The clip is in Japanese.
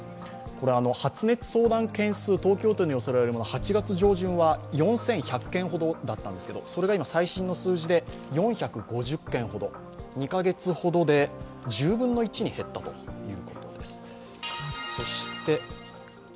発熱相談件数、東京都に寄せられるものが８月上旬は４１００件ほどだったんですが、最新の数字で４５０件ほど２カ月ほどで１０分の１に減ったということです。